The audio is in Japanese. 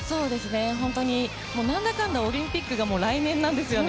本当に何だかんだオリンピックが来年なんですよね。